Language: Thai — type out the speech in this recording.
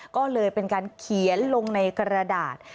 ก็เลยเป็นการเขียนลงในกระดาษ